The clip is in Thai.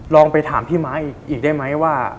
ลองไปถามพี่ม้าอีกได้ไหมว่า